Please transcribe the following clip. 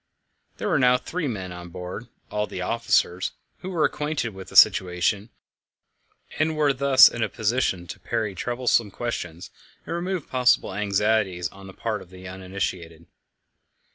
There were now three men on board all the officers who were acquainted with the situation, and were thus in a position to parry troublesome questions and remove possible anxieties on the part of the uninitiated.